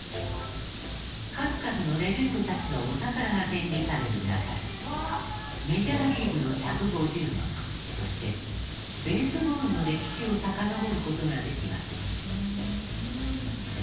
数々のレジェンドたちのお宝が展示される中メジャーリーグの１５０年そしてベースボールの歴史をさかのぼる事ができます。